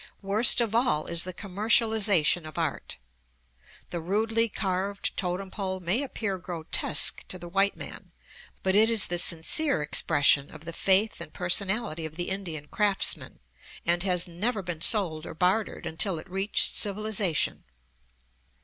Worst of all is the commercialization of art. The rudely carved totem pole may appear grotesque to the white man, but it is the sincere expression of the faith and personality of the Indian craftsman, and has never been sold or bartered until it reached civilization.